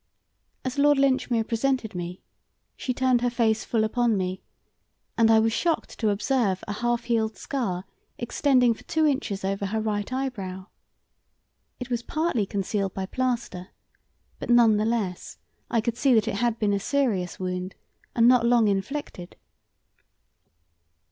As Lord Linchmere presented me she turned her face full upon me, and I was shocked to observe a half healed scar extending for two inches over her right eyebrow. It was partly concealed by plaster, but none the less I could see that it had been a serious wound and not long inflicted.